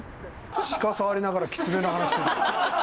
シカ触りながらキツネの話してるよ。